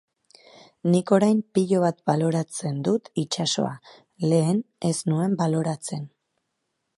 Nik orain pilo bat baloratzen dut itsasoa, lehen ez nuen baloratzen.